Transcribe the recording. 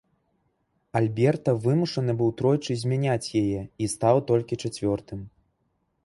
Альберта вымушаны быў тройчы змяняць яе, і стаў толькі чацвёртым.